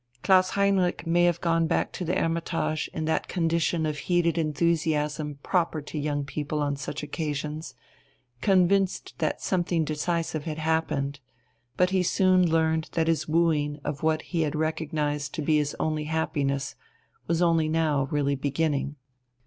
Klaus Heinrich may have gone back to the "Hermitage" in that condition of heated enthusiasm proper to young people on such occasions, convinced that something decisive had happened: but he soon learned that his wooing of what he had recognized to be his only happiness was only now really beginning.